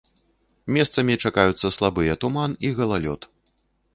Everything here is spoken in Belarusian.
Месцамі чакаюцца слабыя туман і галалёд.